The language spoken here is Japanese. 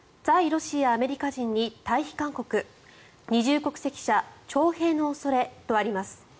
ロシアアメリカ人に退避勧告二重国籍者、徴兵の恐れとあります。